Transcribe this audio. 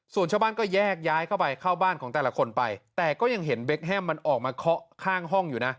ส่วนชาวบ้านก็แยกย้ายเข้าไปเข้าบ้านของแต่ละคนไปแต่ก็ยังเห็นเบคแฮมมันออกมาเคาะข้างห้องอยู่นะ